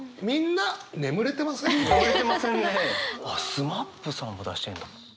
ＳＭＡＰさんも出してるんだ。